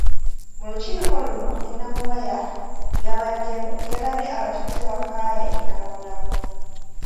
Mu lukiiko luno ne Namuwaya yabaddemu yalabye abatuuze bakaaye n’ababulako.